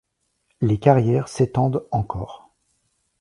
Les carrières s'étendent encore.